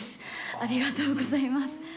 ありがとうございます。